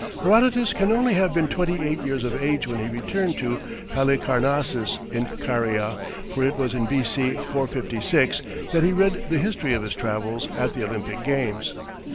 Herodotus can only have been twenty eight years of age when he returned to Halicarnassus in Caria, for it was in B.C. 456 that he read the history of his travels at the Olympic Games.